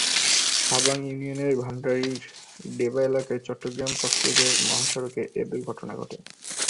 হারবাং ইউনিয়নের ভান্ডারির ডেবা এলাকায় চট্টগ্রাম কক্সবাজার মহাসড়কে এ দুর্ঘটনা ঘটে।